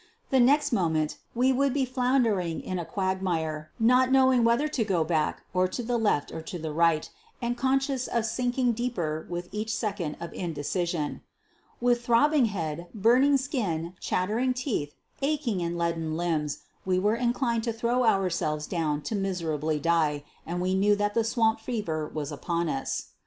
The next moment we would be floundering in a quagmire, not knowing whether to go back or to the left or to the right, and conscious of sinking deeper with each second of indecision. "With throbbing head, burning skin, chattering teeth, aching and leaden limbs, we were inclined to throw ourselves down to miserably die, and we knew that the swamp fever was upon us."